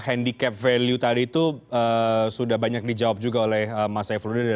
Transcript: handicap value tadi itu sudah banyak dijawab juga oleh mas saifuddin